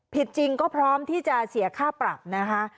ผิดจริงก็พร้อมที่จะเสียค่าปรับนะคะ